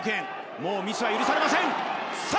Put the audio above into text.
もうミスは許されませんさあ